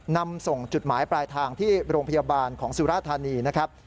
นำส่งจุดหมายปลายทางที่โรงพยาบาลของสุราธานีนะครับ